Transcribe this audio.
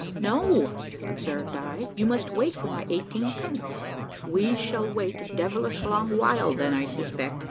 "No," observed I, "you must wait for my eighteen pence." "We shall wait a devilish long while, then, I suspect.